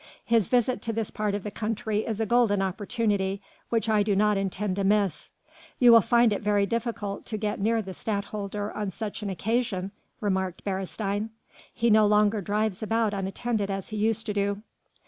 His visit to this part of the country is a golden opportunity which I do not intend to miss." "You will find it very difficult to get near the Stadtholder on such an occasion," remarked Beresteyn. "He no longer drives about unattended as he used to do."